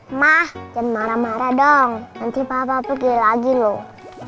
emah dan marah marah dong nanti papa pergi lagi loh